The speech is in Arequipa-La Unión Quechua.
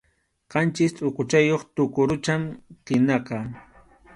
Qanchis tʼuquchayuq tuqurucham qinaqa.